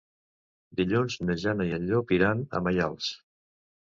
Dilluns na Jana i en Llop iran a Maials.